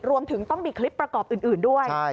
รวมถึงต้องมีคลิปประกอบอื่นด้วย